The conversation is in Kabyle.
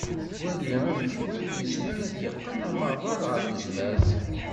Wali amek web yezmer ad yeqqen amaḍal ɣer tezmert.